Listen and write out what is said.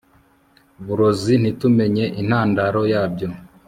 burozi ntitumenye intandaro yabyo